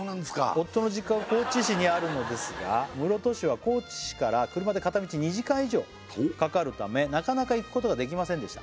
夫の実家は高知市にあるのですが室戸市は高知市から車で片道２時間以上かかるためなかなか行くことができませんでした